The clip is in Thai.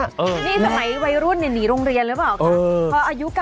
นี่สมัยวัยรุ่นหนีโรงเรียนหรือเปล่าคะ